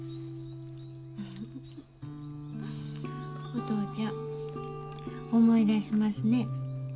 おとうちゃん思い出しますね。